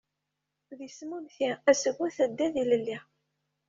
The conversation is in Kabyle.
D isem unti, asget, addad ilelli.